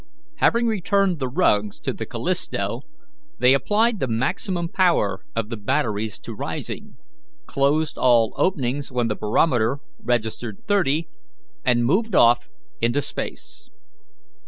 Having returned the rugs to the Callisto, they applied the maximum power of the batteries to rising, closed all openings when the barometer registered thirty, and moved off into space.